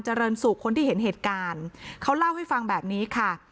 เจริญสุขคนที่เห็นเหตุการณ์เขาเล่าให้ฟังแบบนี้ค่ะ